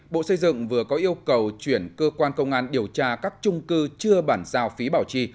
bộ xây dựng vừa có yêu cầu chuyển cơ quan công an điều tra các trung cư chưa bản giao phí bảo trì